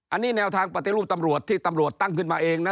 อันนี้แนวทางปฏิรูปตำรวจที่ตำรวจตั้งขึ้นมาเองนะ